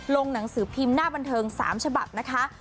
หนังสือพิมพ์หน้าบันเทิง๓ฉบับนะคะ